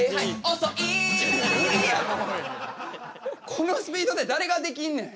このスピードで誰ができんねん。